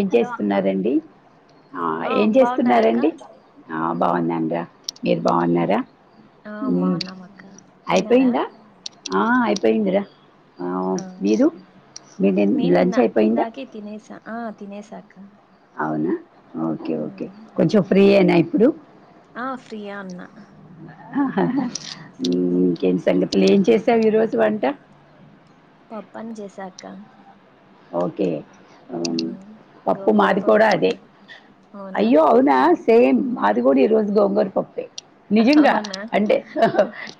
ఏం హలో అక్క చేస్తున్నారండి ఆ ఏం బాగున్నారా అక్క చేస్తున్నారండి ఆ బాగున్నా డా మీరు బాగున్నరా ఉమ్, ఆ ఉ బాగున్నాం అక్క తిన్నారా అయిపోయిందా ఆ అయిపోయిందిరా ఆ మీరు మీ మీ నేను ఇన్నా లంచ్ అయిపోయిందా ఇందాకే తినేసా ఆ తినేసా అక్క అవునా ఓకే ఓకే కొంచం కఫ్రీ యేన ఇప్పుడు ఆ ఫ్రీయే అన్నా ఆహ్ ఆహ్ ఆ ఉమ్, ఇంకేం సంగతిలు ఏం చే సవ్ ఈరోజు వంట పప్పు చేశాక్కా ఓకే ఆ పప్పు గోంగూర మాది కూడా పప్పు అదే అన్నం అవునా అయ్యో అవునా సేమ్ మా కూడా ఈరోజు గోంగూర పప్పే నిజంగా అవునా అంటే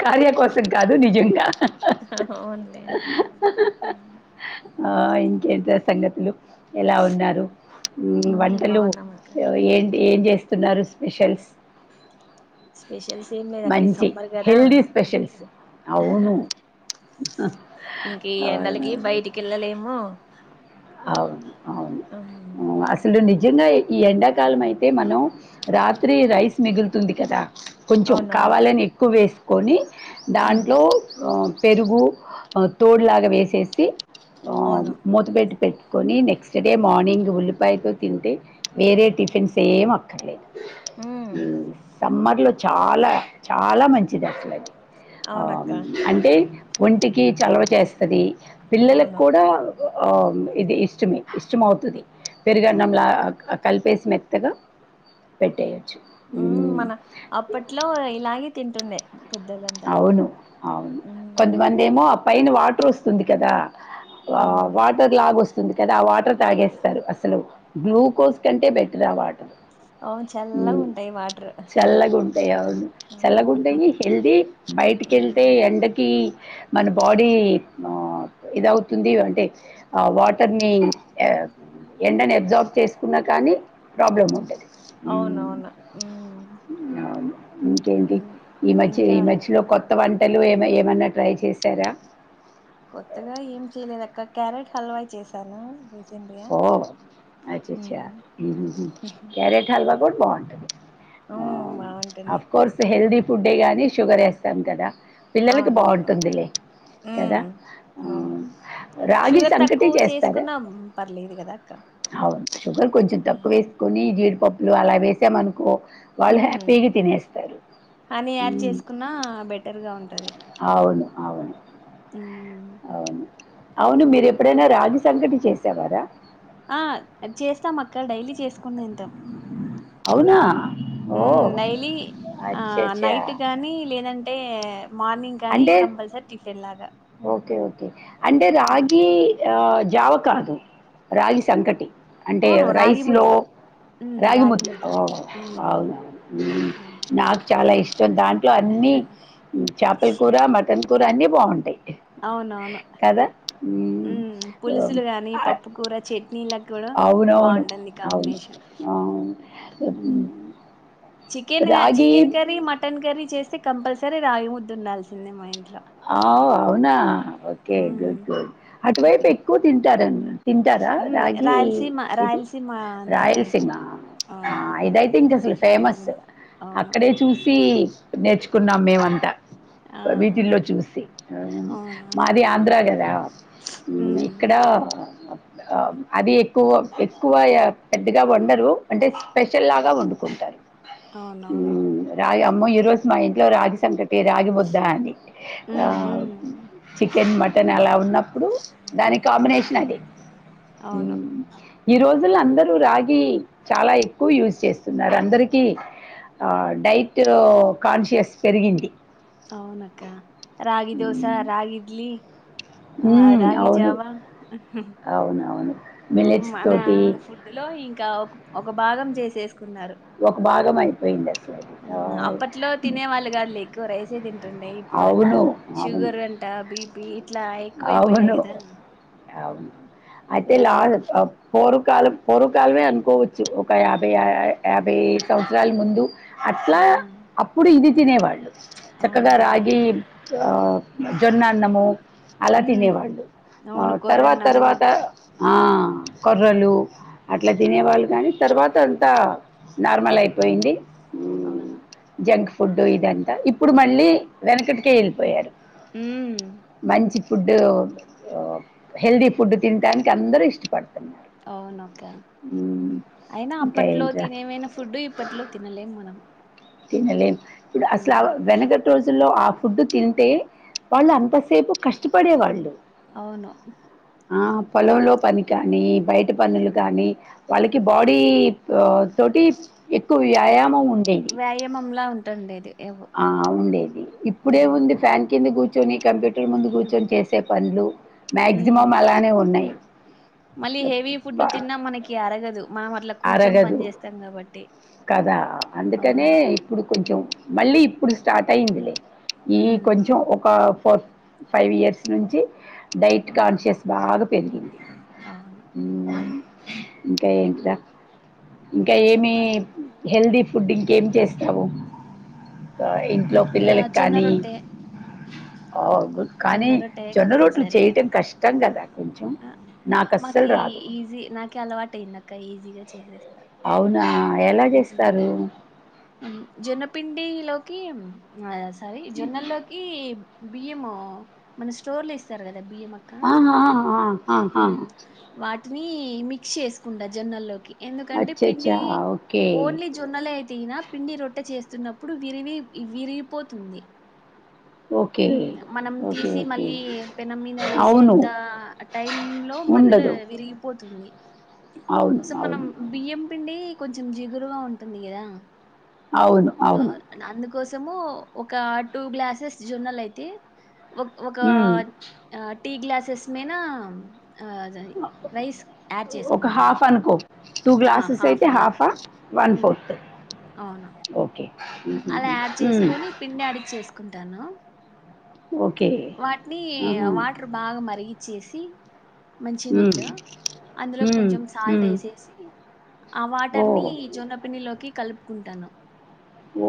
కార్య కోసం కాదు నిజంగా హహ్ అవునులే ఆ టా సంగతులు ఎలా ఉన్నారు ఉమ్, వంటలు బాగున్నాం అక్క ఏంటి ఏం చేస్త స్తున్నారు స్పెషల్స్ స్పెషల్స్ ఏం లేదు అక్క ఈ మంచి సమ్మర్ కదా హెల్దీ స్పెషల్స్ అవును అ ఇంక ఈ ఎండలకి బయటికి వెళ్ళలేము అవును అవును ఉమ్, అసలు ని జంగా ఈ ఎండాకాలం అయితే మనం రాత్రి రైస్ మిగులుతుంది కదా కొంచెం అవునవును కావాలని ఎక్కువ వేస్త్ కొని ఉమ్, దాంట్లో పెరుగు తోడులాగా వేసేసి ఆ అవును మోదబెడ్ పెట్టుకొని నెక్స్ట్ డే మార్నింగ్ ఉల్లిపాయతో తింటే వేరే టిఫిన్స్ ఏం అక్కర్లేదు ఉమ్, సమ్మర్ లో చాలా చాలా మంచిది అసలది అ అవునక్క అంటే ఒంటికి చలవ చేస్తది పిల్లలకు అవును కూడా ఓం ఇది ఇష్టమే ఇష్టంమవుతది పెరుగన్నం అవును లాగ కలిపేసి మెత్తగా పెట్టేయొచ్చు ఉ మన అప్పట్లో ఇలాగే తింటుండే [inaudible] అవును అవును ఉమ్ కొంతమంది ఏమో ఆ పైన వాడు చూస్తుంది కదా ఆ అవునవును వాటర్లాగస్త ఉంది కదా ఆ వాటర్ తాగేస్తారు అసలు గ్లూకోజ్ కంటే బెటర్ ఆ వాటర్ అవును చల్లగా ఉంటాయి వాటర్ చల్ల గుంటయావను చల్ల అవును గుంటగి హెల్ది బయటికి వెళ్తే ఉమ్ ఎండకి మన బాడీ ఇదవుతుంది అంటే వాటర్ ని ఎండని అబ్జార్బ్ చేసుకున్నా కానీ ప్రాబ్లం ఉంటది హ్మ్. అవునవును ఉం అవును. ఇంకేంటి ఈ మధ్య ఈ మధ్య కొత్త వంటలు ఏమ ఏమన్నా ట్రై చేస్తారా కొత్తగా ఏం చేయలేదు అక్క క్యారెట్ హల్వా చేసాను ఓ అచ్చ అచ్చ క్యారెట్ హల్వా కుడా బావ్ ఉమ్ బాగుంటుంది అఫ్ కోర్స్ హెల్ది ఫుడ్డే కానీ షుగర్ వేస్తాం కదా పిల్లలకి అవునవును బాగుంటుందిలే కదా ఉమ్ అవును రాగి షుగర్ సంకటి తక్కువ చేస్తార చేసుకున్నా పర్లేదు కదా అక్క అవును షుగర్ కొంచెం తక్కువ ఉమ్ వేసుకొని జిడిపప్పులు అలా వేసామనుకో వాళ్ళు హ్యాపీగా తినేస్తారు హనీ యాడ్ ఉం చేసుకున్నా బెటర్గా అవును అవును ఉ అవును అవును, మీరెప్పుడైనా రాగి సంకటి చేసేవారా ఆ చేస్తాం, అక్క డైలీ చేసుకుని తింటాం. అవునా ఉ ఓ డైలీ, ఆ అచ్చచ్చా నైట్ కానీ లేదంటే మార్నింగ్ కానీ అంటే కంపల్సరీ టిఫిన్ లాగా ఓకే. ఓకే. అంటే ఉమ్. రాగి, ఆ జావ కాదు, రాగి సంకటి అంటే అవును రాగి ముద్ద రైస్లో, రాగి ముద్ద ఒ మ్మ్ అవునా అవును నాక్ చాలా ఇష్టం దాంట్లో అన్నీ చేపల కూర, మటన్ కూర అన్నీ బావుంటయ్. అవునవును, ఉ హ్మ్. ఆహ్, పులుసులు కానీ, ఆహ్, పప్పు కూర, చట్నీలా అవునవును, అవును అవ్ హు చికెన్ రాగి చికెన్ కర్రీ, మటన్ కర్రీ చెస్ కంపల్సరీ రాగి ముద్దవుండాల్సిందే మా ఇం ఐవ్ అవునా, ఓకే గుడ్ మ్మ్ గుడ్ అటువైపు ఎక్కువ తింటారన్ తింటారా ఉమ్ రాగి రాయలసీమ ఇది రాయలసీమ అంతా రాయలసీమ ఆ అవును ఇదైతే ఇంక అసలు రాగి ఫేమస్ ముద్ద అవును అక్కడే చూసి నేర్చుకున్నాం మేమంతా ఆ వీటిల్లో చూసి ఆ, అవును మాది ఆంధ్ర కదా ఉ ఇక్కడ ఉమ్ ఆ అది ఎక్కువ ఎక్కువయ పెద్దగా వండరు, అంటే స్పెషల్ లాగా వండుకుంటారు. ఉ అవునవును రాయ మో ఈ రోజు మా ఇంట్లో రాగి సంగ తి రాగిముద్దా అని ఆ ఉమ్ ఉమ్ చికెన్, మటన్ అలా ఉన్ అప్పుడు దాని కాంబినేషన్ అది అవును మ్మ్. ఈ రోజుల్లో అందరూ రాగి చాలా ఎక్కువ యూజ్ చేస్తున్నారు. అందరికీ డైట్ కాన్షియస్ పెరిగింది. అవునక్క రాగి దోశ, మ్మ్. రాగిడ్లి ఆ రాగి జావా అవునవును ఆ, మిల్లెట్ మన తోటి ఫుడ్ లో ఇంకా ఒక భాగం చేసే కుమారు ఒక భాగం అయిపోయింది అసలు అది. ఆ ఆయ్. అప్పట్లో తినే వాళ్ళు కాదుు ఎక్కువ రైసే తింటుండే ఇప్పుడు అన్ని అవును అవును షుగర్ అంట, బీపి ఇట్లా ఎక్కువయిపోయాయి అవును కదా. అవును సో అయితే లాన్ అందుకు పోరు కాలం పూర్వకాలమే అనుకోవచ్చు ఒక యాభై యాభై సంవత్సరాల ముందు ఆ అట్లా అప్పుడు ఇది తినేవాళ్ళు చక్కగా అవునవును రగి ఆ జొన్నా అన్నము అలా ఉమ్ తినేవాళ్ళు ఆ అవును తర్వాత కొరన్నము తర్వాత ఆా కొర్రలు అవును అట్లా ఉమ్ తినేవాళ్ళు గాని తర్వాత అంతా నార్మల్ అయిపోయింది అవును ఫుడ్డు ఇదంతా ఇప్పుడు మళ్ళీ వెనకటికే వెళ్ళిపోయారు. ఉ మంచి ఫుడ్ హెల్దీ ఫుడ్ తిటానికి అందరూ ఇష్టపడరు అవునా ఒక్క అయినా ఇంకా అప్పట్లో ఏంట్రా తినే మైన ఫుడ్ ఇప్పట్లో తినలేము మనం. తినలేం ఇది అసలు ఉమ్ వెంకటరాజు లో ఆ ఫుడ్ తింటే వాళ్ళు అంతసేపు కష్టపడేవాళ్ళు. అవును ఆ పొలంలో పని కానీ బయట పనులు కానీ వాళ్ళకి బాడీ తోటి ఎక్కువ వ్యాయామం ఉ వ్యాయి మమ్లా ఉంటండేది ఆ ఉండేది ఇప్పుడే ఉంది ఫ్యాన్ కింద కూర్చ నీ కంప్యూ ముందు కూర్చొని చేసే పండ్లు ఉమ్ మ్యాక్సిమం అలానే ఉన్నాయి మళ్ళీ హెవీ ఫుడ్ తిన్నా మనకి అరగదు మనం అట్లా కూర్చొని పని అరగదు చేస్తాం కాబట్టి కదా అందుకనే అవును ఇప్పుడు కొంచెం మళ్ళీ ఇప్పుడు స్టార్ట్ అయింది లే ఈ ఉమ్ కొంచం అవును ఒక ఫ ఫైవ్ ఇయర్స్ నుంచి డైట్ కాన్షియస్ బాగా పెరిగింది అవును ఉ ఇంకా ఏంటి రా ఇంకా ఏమి చెప్పాలి హెల్దీ ఫుడ్ ఇంకేం చేస్తావు ఇంట్లో ఇంకా ఆ, పిల్లలకి జొన్న కానీ రొట్టె ఓ గుడ్ కానీ జొన్న రొట్టె జొన్న రోట్లు కంపల్సరీ చేయటం కష్టం కదా కొంచెం ఆ, నాకు అస్సలు మాకి రాదు ఈజీ నాకే అలవాటు అయిందక్క ఈజీగా చేసేస్తా అవునా ఎలా చేస్తారు జొన్నపిండి లోకి ఆ సరే జొన్నల్లోకి బియ్యము మన స్టోర్ లో ఇస్తారు కదా బియ్యం అక్క ఆహా ఆ ఆ హ ఆఆ ఉమ్ వాటిని మిక్స్ చేసుకుంటా జొన్నల్లోకి ఎందుకంటే పిండి అచ్చచ్చా ఓకే ఓన్లీ జొన్నలే అయితే తిన పిండి రొట్ట చేస్తున్నప్పుడు విరిగవి విరిగిపోతుంది ఓకే. ఉ మనం ఓకే. తీసి ఓకే. మళ్ళీ పెనం మీద అవును. వేసేంత టైమ్ లో మధ్యలో ఉండదు. విరిగిపోతుంది అవును. సో మనం అవును. బియ్యం పిండి కొంచెం జిగురుగా ఉంటుంది కదా అవును అవును కోసము ఒక టూ గ్లాసెస్ జొన్నలు అయితే ఓ ఓ ఒక హ్మ్. ఆ టీ గ్లాసెస్ మనా అద రైస్ యాడ్ చేసుకుంటాను టు ఆ, గ్లాసెస్ హాఫ్ అయితే అలా హాఫా వన్ ఉమ్, ఫోర్త్ అవును అలా యాడ్ హ్మ్. చేసుకుని పిండి అడిచ్చేసుకుంటాను. ఓకే. వాటిని ఆహా! వాటర్ బాగా మరిగిచ్చేసి హ్మ్. మంచినీళ్ళు అందులో హ్మ్. కొంచెం సాల్ట్ హ్మ్. ఏసేసి ఆ వాటర్ నీ ఓహ్! జొన్న పిండిలో కి కలుపుకుంటాను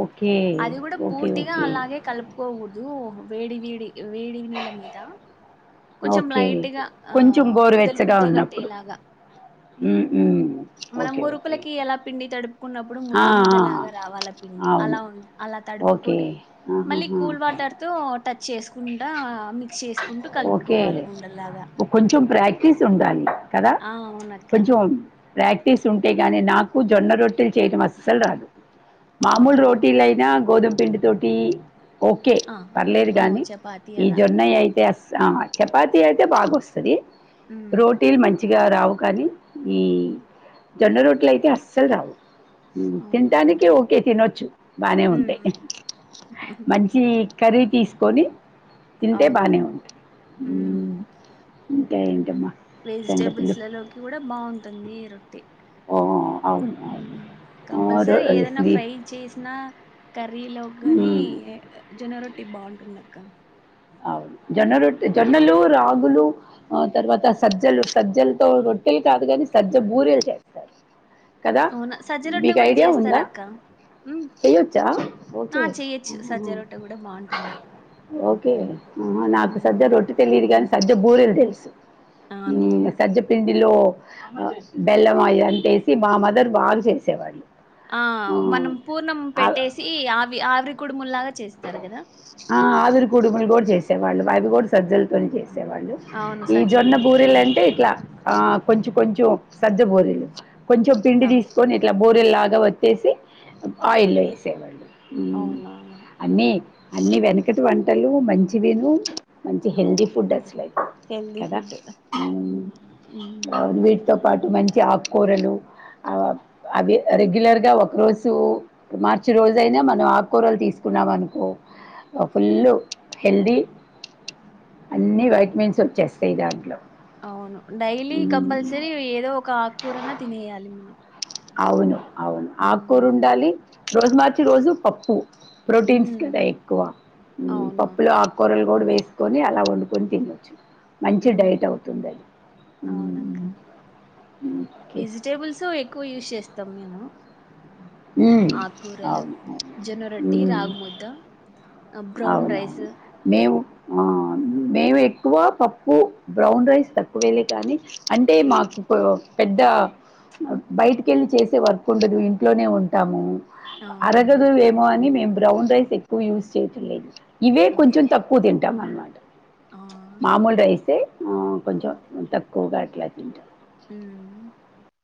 ఓకే. అది కూడా ఓకే. పూర్తిగా ఓకే. అలాగే కలుపుకోకూడదు దు వేడి వే వేడి నీళ్ల మీదా కొంచెం ఓకే. లైట్గా ఆ కొంచెం ముద్దలు ముద్ద కట్టేలాగా హ్ హ్ ఓకే ఓకే తడుపూ కున్నప్పుడు ఆ! ముద్ద ఆ! ముద్దలాగా రావాల పిండి అలా అవును. ఉ అలా ఓకే. తడుపుకొని మళ్ళీ ఆహాహా! కూల్ వాటర్ తో టచ్ చేసుకో కుండా మిక్స్ చేసు ఓకే కొంచెం ప్రాక్టీస్ ఉండాలి కదా ఆ అవునక్క కొంచెం ప్రాక్టీస్ ఉంటే గాని నాకు జొన్న రొట్టెలు చేయడం అస్సలు రాదు మామూలు అవునా రోటీలైనా గోధుమ పిండి తోటి ఓకే ఆ పర్లేదు ఓ గాని చపాతి ఈ అలా జొన్నయి అయితే అస్ ఆహా చపాతి అయితే బాగా వస్తుంది ఉమ్ రోటీల్ మంచి రావు కానీ ఈ జొన్న రోట్లు అయితే అస్సలు రావు అవునా తింటానికి ఓకే తినొచ్చు బానే ఉంటాయి. ఉమ్ మంచి కర్రీ తీసుకొని తింటే అవును బానే ఉంటు హు ఇంకా ఏంటమ్మా సంగతులు వెజిటేబుల్స్లలోకి కూడా బాగుంటుంది. ఈ రొట్టె ఓ! అవును. అవును. ఆహ్, రొ కంపల్సరీ ఏదైనా ఇస్లీ ఫ్రై చేసినా కర్రీలో కాగాని హ్మ్. జొనరొట్ టి బాగుంటుంది అక్క అవు జొన్న రొట్టె జొన్నలు రాగులు ఆ తర్వాత సజ్జలు సజ్జలతో రొట్టెలు కాదు కానీ సజ్జ బూరెలు చేస్తారు కదా! అవునా సజ్జ రొట్ట మీకు కూడా ఐడియా చేస్తారు ఉందా? అక్క చేయొచ్చా? ఆ ఓకే. చేయొచ్చు సజ్జ రొట్ట కూడా బాగుంటుంది ఓకే. నాకు ఉమ్ సద్య రొట్టి తెలి ఏన్ సజ్జ బూరెలు తెలుసు అవునులే ఉ సజ్జ పిన్ ఇందులో బెల్లం అంటేసి మా మదర్ బాగా చేసేవాడు ఆ మనం పూర్ణం పెట్టేసి ఆవి ఆవిర్ కుడుములగా ఆ ఆదురి కూడుములు కూడా చేసేవాళ్ళు బైవి కూడా సజ్జలతోనే చేసి సేవాళ్ళు అవును ఈ సజ్జ జొన్న పిండితో బూరీలు అవును అంటే ఇట్లా ఆ కొంచెం కొంచెం సజబోరిలు కొంచెం పిండి ఆ తీసుకొని ఇట్లా బోరెల్లాగా వత్సి ఆయిల్లో వేసేవాళ్ళు ఉమ్. అవునన అన్నీ అన్ని వెనకటి వంటలు మంచివిను మంచి హెల్దీ అవును ఫుడ్ అసలుయైతే హెల్దీ కదా ఫుడ్ ఉమ్, వీటితో పాటు మంచి ఆకుకూరలు అవి రెగ్యులర్ గా ఒక రోజు మార్చి రోజు అయినా మనం ఆకుకూరలు తీసుకు కున్నామ అనుకో ఫుల్ హెల్తీ అన్నీ వైటమిన్స్ వచ్చేస్తాయి దాంట్లో అవును డైలీ మ్మ్. కంపల్సరీ ఏదో ఒక ఆకుకూరన తినేయాలి మనం అవును అవును ఆ కూర ఉమ్ ఉండాలి రోజు మార్చి రోజు పప్పు ప్రోటీన్స్ హ్మ్ కదా ఎక్కువ పప్పులు అవునవును ఆకూరలు కూడా వేసి తీసుకొని అలా వండుకొని తినొచ్చు మంచి డైట్ హ్మ్ అవుతుంది అవునక్క ఓకే స్తాం మేము మ్మ్. ఆకూరలు అవును అవును జోన్నురొట్టి మ్మ్. రాగుముద్ద అవునవును నేవు ఆ మేము ఎక్కువ పప్పు బ్రౌన్ రైస్ తక్కువేలే కానీ అంటే మాకు పెద్ద బయటికెళ్ళి చేసే వర్క్ ఉండదు ఇంట్లోనే ఉంటాము అవునవును అరగదు ఏమో అని మేం బ్రౌన్ రైస్ ఎక్కువ యూస్ చే దు ఇవే కొంచెం అవును తక్కువ తింటాం అనమాట ఆ మామూలు రైసే ఆ కొంచెం తక్కువగా అట్లా ఇంట ఉమ్